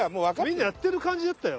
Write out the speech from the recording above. んなやってる感じだったよ？